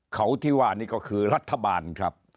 เขาที่ว่านี่ก็คือรัฐบาลครับ